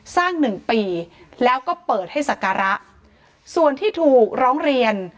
หนึ่งปีแล้วก็เปิดให้สักการะส่วนที่ถูกร้องเรียน